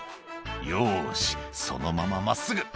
「よしそのまま真っすぐ」